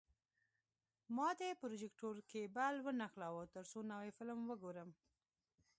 ما د پروجیکتور کیبل ونښلاوه، ترڅو نوی فلم وګورم.